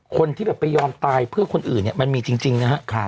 คนที่แบบไปยอมตายเพื่อคนอื่นเนี่ยมันมีจริงนะครับ